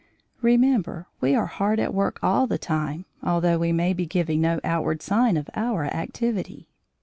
Remember we are hard at work all the time although we may be giving no outward sign of our activity.